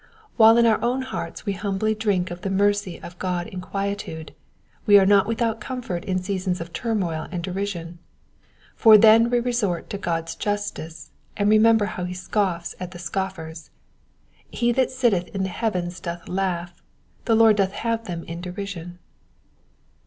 While in our own hearts we humbly drink of the mercy of God in quietude, we are not without comfort in seasons of turmoil and derision ; for therf we resort to God's justice, and remember how he scoffs at the scoffers :^* He that sitteth in the heavens doth laugh, the Lord doth have them in derision."